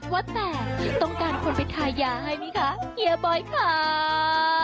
ว่าแต่ต้องการคนไปทายาให้ไหมคะเฮียบอยค่ะ